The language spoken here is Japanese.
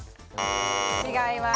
違います。